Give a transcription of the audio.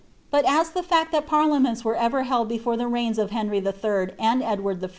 Bat as the (act that parliaments were ever held before the reigns of Henry III. and Edward I.